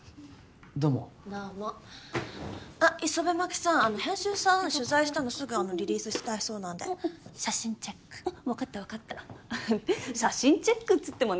どうもどうもあっイソベマキさん編集さん取材したのすぐリリースしたいそうなんで写真チェック分かった分かった写真チェックっつってもね